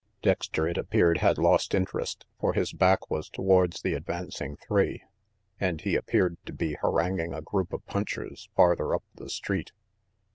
Dexter, it appeared, had lost interest, for his back was towards the advancing three and he appeared to be haranguing a group of punchers farther up the street.